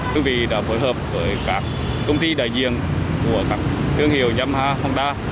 chúng tôi đã phối hợp với các công ty đại diện của các thương hiệu yamaha honda